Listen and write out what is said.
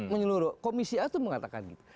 menyeluruh komisi a itu mengatakan gitu